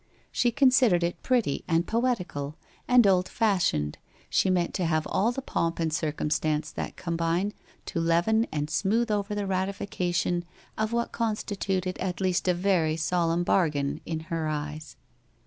She considered it pretty and poetical, and old fashioned, she meant to have all the pomp and circumstance that combine to leaven and smooth over the ratification of what constituted at least a very solemn bargain in her eyes.